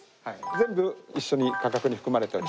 全部一緒に価格に含まれております。